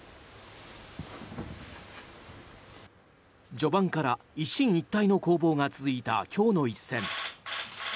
序盤から一進一退の攻防が続いた今日の一戦。